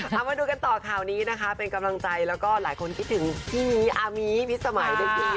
มาดูกันต่อข่าวนี้นะคะเป็นกำลังใจแล้วก็หลายคนคิดถึงที่มีมีพิษสมัย